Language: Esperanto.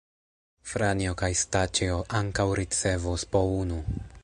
Franjo kaj Staĉjo ankaŭ ricevos po unu.